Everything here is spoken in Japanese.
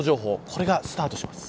これがスタートします。